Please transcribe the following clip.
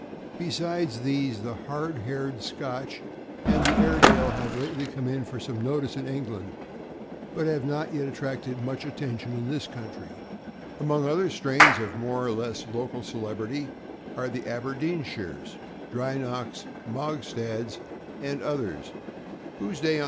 Besides these, the hard haired Scotch and the Airedale have lately come in for some notice in England, but have not yet attracted much attention in this country. Among other strains of more or less local celebrity are the Aber deenshires, Dry nocks, Mogstads, and others whose day on (479) 480 THE AMERICAN BOOK OF THE DOG.